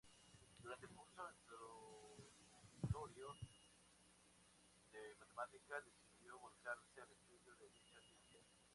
Durante el curso introductorio de Matemática decidió volcarse al estudio de dicha ciencia.